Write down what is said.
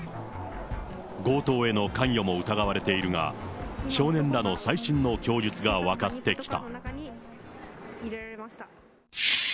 強盗への関与も疑われているが、少年らの最新の供述が分かってきた。